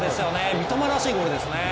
三笘らしいゴールですよね。